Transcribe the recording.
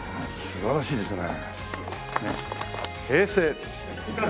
素晴らしいですね。